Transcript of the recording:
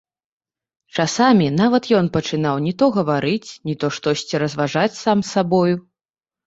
Часамі нават ён пачынаў ні то гаварыць, ні то штосьці разважаць сам з сабою.